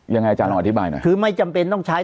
ยังไงอาจารย์อธิบายหน่อย